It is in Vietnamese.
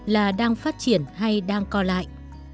là đang phát triển hay đang co lại